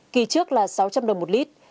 kỳ trước là sáu trăm linh đồng một lít